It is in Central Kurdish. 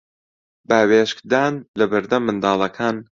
باوێشکدان لە بەردەم منداڵەکان